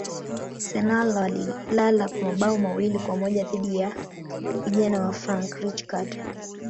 arsenal walilala kwa mabao mawili kwa moja dhidi ya vijana wa frank rijkard